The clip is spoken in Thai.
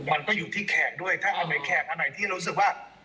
มันก็อยู่ที่แขกด้วยถ้าอันไหนแขกอันไหนที่รู้สึกว่า